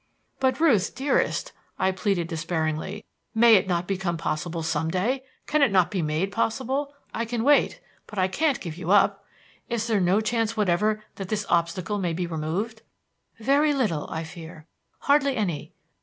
"But, Ruth dearest," I pleaded despairingly, "may it not become possible some day? Can it not be made possible? I can wait, but I can't give you up. Is there no chance whatever that this obstacle may be removed?" "Very little, I fear. Hardly any.